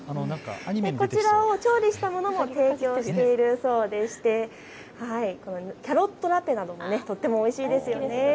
こちらを調理したものも提供しているそうでして、キャロットラペなどもとってもおいしいですよね。